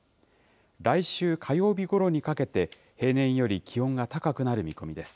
来週火曜日ごろにかけて、平年より気温が高くなる見込みです。